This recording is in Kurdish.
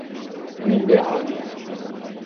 Wî neanî.